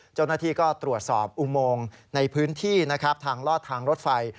เจ้าหน้าที่ก็ตรวจสอบอุโมงในพื้นที่นะครับทางลอดทางรถไฟ